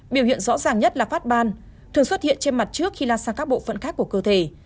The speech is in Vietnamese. biểu hiện rõ ràng nhất là phát ban thường xuất hiện trên mặt trước khi la sang các bộ phận khác của cơ thể